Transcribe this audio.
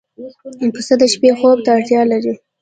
پسه د شپې خوب ته اړتیا لري.